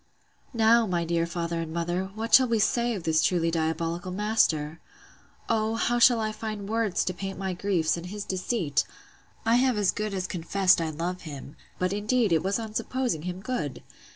Now, my dear father and mother, what shall we say of this truly diabolical master! O, how shall I find words to paint my griefs, and his deceit! I have as good as confessed I love him; but, indeed, it was on supposing him good.